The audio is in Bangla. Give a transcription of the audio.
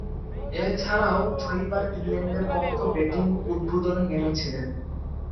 এছাড়াও ছয়বার ইংল্যান্ডের পক্ষ ব্যাটিং উদ্বোধনে নেমেছিলেন।